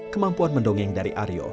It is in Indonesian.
kemampuan mendongeng dari arjo